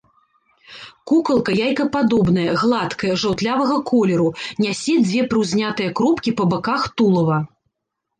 Кукалка яйкападобная, гладкая, жаўтлявага колеру, нясе дзве прыўзнятыя кропкі па баках тулава.